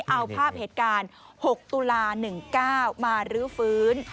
เอาภาพเหตุการณ์๖ตุลา๑๙มารื้อฟื้น